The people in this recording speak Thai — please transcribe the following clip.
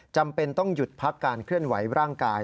จำเป็นต้องหยุดพักการเคลื่อนไหวร่างกาย